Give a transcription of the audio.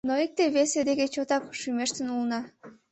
— Но икте-весе деке чотак шӱмештын улына.